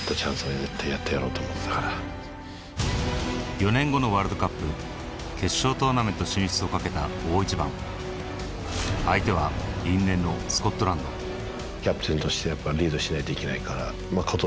４年後のワールドカップ決勝トーナメント進出を懸けた大一番相手は因縁のスコットランドしないといけないから。